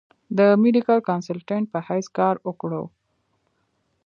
د ميډيکل کنسلټنټ پۀ حېث کار اوکړو ۔